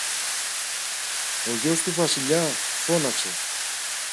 Ο γιος του Βασιλιά; φώναξε.